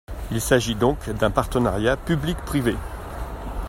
Il s'agit donc un partenariat public-privé.